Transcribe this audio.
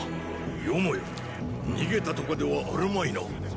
よもや逃げたとかではあるまいなァ。